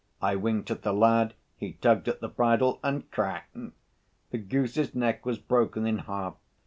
I winked at the lad, he tugged at the bridle, and crack. The goose's neck was broken in half.